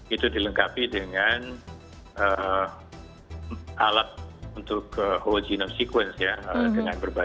itu dilengkapi dengan alat untuk whole genome sequence ya